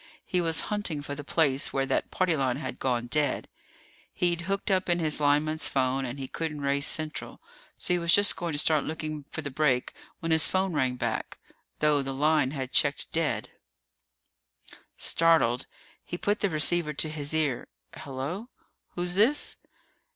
He was hunting for the place where that party line had gone dead. He'd hooked in his lineman's phone and he couldn't raise Central, so he was just going to start looking for the break when his phone rang back, though the line had checked dead. Startled, he put the receiver to his ear. "Hello. Who's this?"